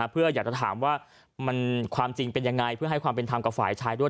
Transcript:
เพื่ออยากจะถามว่าความจริงเป็นยังไงเพื่อให้ความเป็นธรรมกับฝ่ายชายด้วย